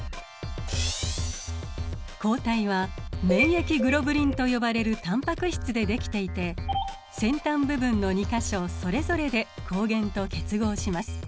抗体は免疫グロブリンと呼ばれるタンパク質でできていて先端部分の２か所それぞれで抗原と結合します。